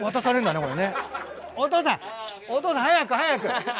お父さんお父さん早く早く。